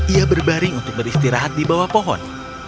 ia berbaring untuk beristirahat di bawah pohon